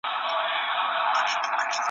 شوم نهر وه په خپل ځان پوري حیران وه `